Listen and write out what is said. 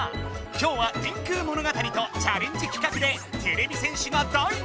今日は電空物語とチャレンジ企画でてれび戦士が大活やく！